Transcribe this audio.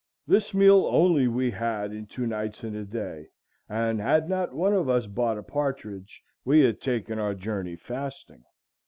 This meal only we had in two nights and a day; and had not one of us bought a partridge, we had taken our journey fasting."